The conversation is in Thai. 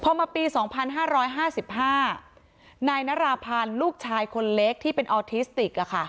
พอมาปีสองพันห้าร้อยห้าสิบห้านายนาราพันธุ์ลูกชายคนเล็กที่เป็นออทิสติกอ่ะค่ะ